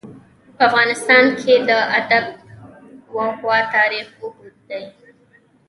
په افغانستان کې د آب وهوا تاریخ اوږد دی.